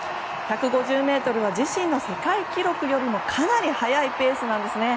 １５０ｍは自身の世界記録よりもかなり速いペースなんですね。